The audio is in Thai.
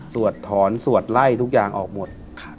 ถอนสวดไล่ทุกอย่างออกหมด